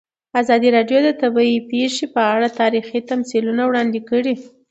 ازادي راډیو د طبیعي پېښې په اړه تاریخي تمثیلونه وړاندې کړي.